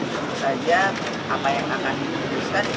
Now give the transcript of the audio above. tentu saja apa yang akan diputuskan